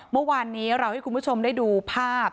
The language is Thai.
เมื่อวานนี้เราให้คุณผู้ชมได้ดูภาพ